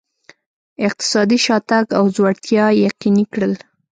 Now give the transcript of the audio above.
اقتصادي شاتګ او ځوړتیا یې یقیني کړل.